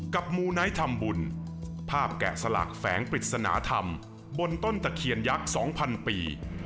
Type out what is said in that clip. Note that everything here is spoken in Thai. มูไนท์ทำบุญภาพแกะสลักแฝงปริศนาธรรมบนต้นตะเคียนยักษ์๒๐๐ปี